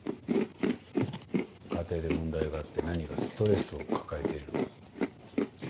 家庭で問題があって何かストレスを抱えているのか？